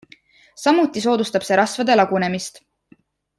Samuti soodustab see rasvade lagunemist.